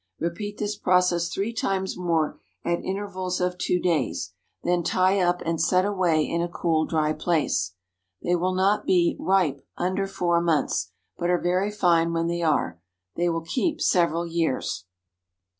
Repeat this process three times more at intervals of two days, then tie up and set away in a cool, dry place. They will not be "ripe" under four months, but are very fine when they are. They will keep several years.